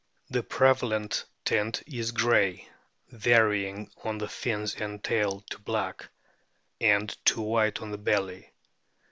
The prevalent tint is grey, varying on the fins and tail to black, and to white on the belly.